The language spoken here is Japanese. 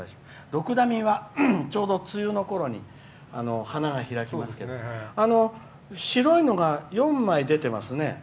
どくだみはちょうど梅雨のころに花が開きますけど白いのが４枚出てますね。